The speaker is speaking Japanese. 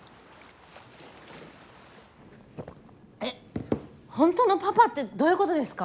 えっ本当のパパってどういうことですか？